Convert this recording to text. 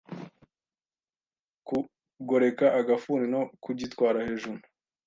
Kugoreka agafuni no kugitwara hejuru